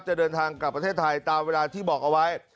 จะเดินทางกลับประเทศไทยตามเวลาที่บอกเอาไว้